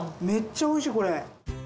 めっちゃおいしいこれ。